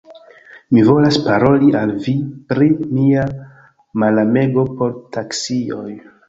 Mi volas paroli al vi pri mia malamego por taksioj.